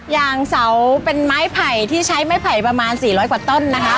ยางเสาเป็นไม้ไผ่ที่ใช้ไม้ไผ่ประมาณ๔๐๐กว่าต้นนะคะ